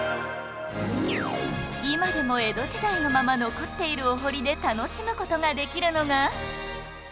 今でも江戸時代のまま残っているお堀で楽しむ事ができるのが